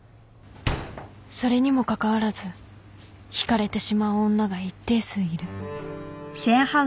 それにもかかわらず引かれてしまう女が一定数いる